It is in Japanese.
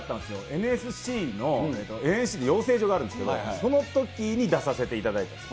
ＮＳＣの、ＮＳＣっていう養成所があるんですけど、そのときに出させていただいたんです。